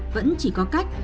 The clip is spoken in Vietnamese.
vẫn chỉ có cách